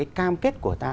cái cam kết của ta